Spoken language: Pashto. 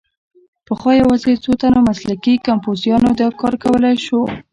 پخوا یوازې څو تنو مسلکي کمپوزرانو دا کار کولای شو.